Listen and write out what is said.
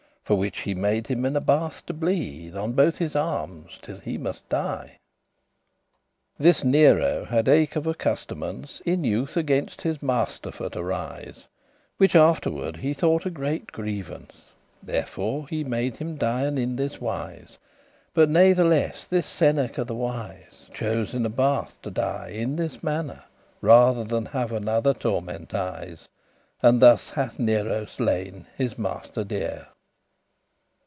For which he made him in a bath to bleed On both his armes, till he muste die. This Nero had eke of a custumance* *habit In youth against his master for to rise;* *stand in his presence Which afterward he thought a great grievance; Therefore he made him dien in this wise. But natheless this Seneca the wise Chose in a bath to die in this mannere, Rather than have another tormentise;* *torture And thus hath Nero slain his master dear.